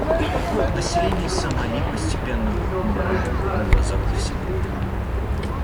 Население Сомали постепенно умирает на глазах у всего мира.